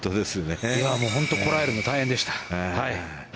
本当にこらえるのが大変でした。